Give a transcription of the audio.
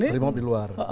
brimob di luar